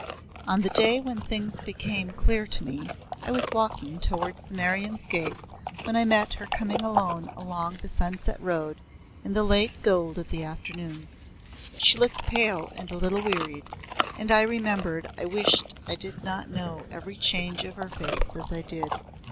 III On the day when things became clear to me, I was walking towards the Meryons' gates when I met her coming alone along the sunset road, in the late gold of the afternoon. She looked pale and a little wearied, and I remembered I wished I did not know every change of her face as I did.